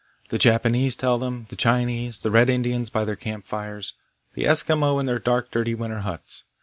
The Japanese tell them, the Chinese, the Red Indians by their camp fires, the Eskimo in their dark dirty winter huts.